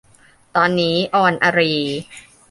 ตอนนี้ อรอรีย์